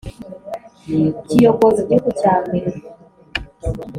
kiyogoza igihugu cya mbere